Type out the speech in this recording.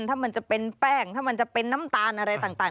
ถ้ามันจะเป็นแป้งถ้ามันจะเป็นน้ำตาลอะไรต่าง